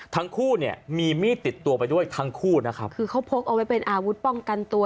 ทั้งคู่เนี่ยมีมีดติดตัวไปด้วยทั้งคู่นะครับคือเขาพกเอาไว้เป็นอาวุธป้องกันตัว